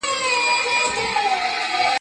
چي زه ویښ وم که ویده وم.